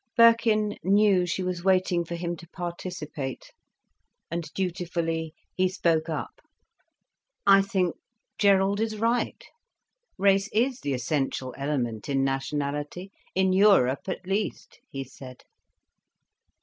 Birkin knew she was waiting for him to participate. And dutifully he spoke up. "I think Gerald is right—race is the essential element in nationality, in Europe at least," he said.